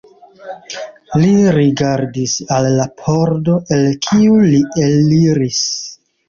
Li rigardis al la pordo el kiu li eliris.